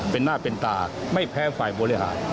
เป็นหน้าเป็นตาไม่แพ้ฝ่ายบริหาร